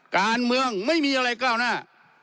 การเมืองไม่มีอะไรก้าวหน้า